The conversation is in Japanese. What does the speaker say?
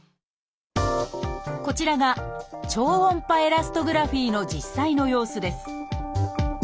こちらが超音波エラストグラフィの実際の様子です。